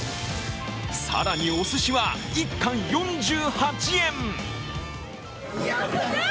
更におすしは１貫４８円。